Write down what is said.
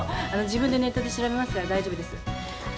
自分でネットで調べますから大丈夫です。